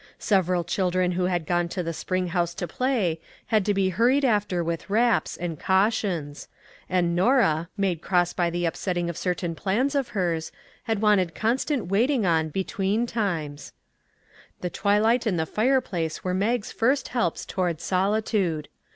Several children who had 264 AFTER THE STORM gone to the spring house to play, had to be hur ried after with wraps, and cautions ; and Norah, made cross by the upsetting of certain plans of hers, had wanted constant waiting on between times. The twilight and the fire place were Mag's first helps toward solitude.